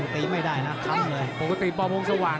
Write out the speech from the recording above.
ติดตามยังน้อยกว่า